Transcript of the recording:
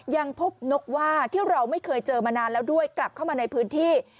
ยังพบนกว่าที่เราไม่เคยเจอมานานแล้วด้วยกลับเข้ามาในพื้นที่